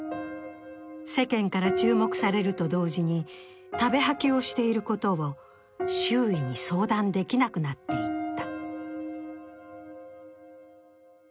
世間から注目されると同時に食べ吐きをしていることを周囲に相談できなくなっていった。